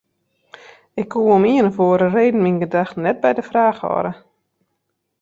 Ik koe om ien of oare reden myn gedachten net by de fraach hâlde.